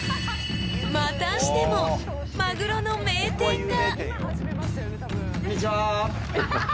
［またしてもマグロの名店が！］